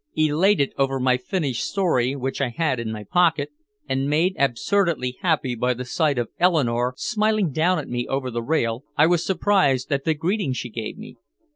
Elated over my finished story, which I had in my pocket, and made absurdly happy by the sight of Eleanore smiling down at me over the rail, I was surprised at the greeting she gave me.